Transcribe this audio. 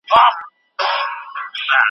څلورم قول.